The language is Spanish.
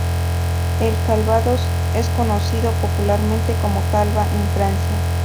El calvados es conocido popularmente como "calva" en Francia.